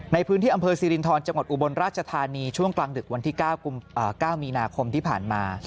ในพื้นที่อำเภอสิรินทรจังหวัดอุบลราชธานีช่วงกลางดึกวันที่๙มีนาคมที่ผ่านมา